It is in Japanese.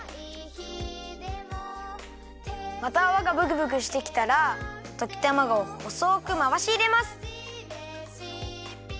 またあわがブクブクしてきたらときたまごをほそくまわしいれます。